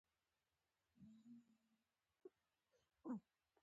لویو لویو توږل شویو تیږو غېږ ورته تاو کړې وه.